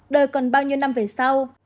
đời còn bao nhiêu năm về sau